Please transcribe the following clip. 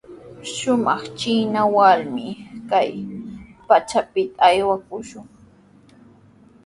Shamunqanchiknawllami kay pachapita aywakushun.